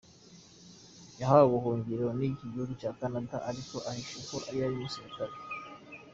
Yahawe ubuhungiro n’iki gihugu cya Canada, ariko ahisha ko yari umusirikare.